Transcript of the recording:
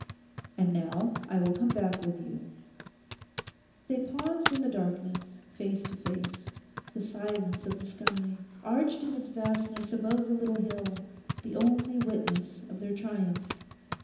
'And now I will come back with you.' They paused in the darkness face to face, the silence of the sky, arched in its vastness above the little hill, the only witness of their triumph.